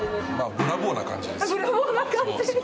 ブラボーな感じ。